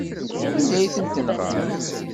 Anda ay tent-nɣan?